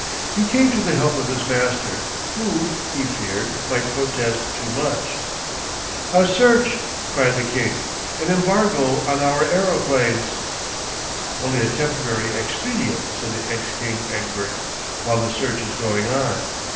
He came to the help of his master, who, he feared, might protest too much. 'A search!' cried the king. 'An embargo on our aeroplanes.' 'Only a temporary expedient,' said the ex king Egbert, 'while the search is going on.